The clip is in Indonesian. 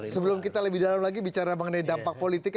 sebelum kita lebih dalam lagi bicara mengenai dampak politiknya